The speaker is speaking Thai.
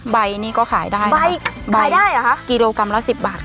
ใบนี่ก็ขายได้ใบขายได้เหรอคะกิโลกรัมละ๑๐บาท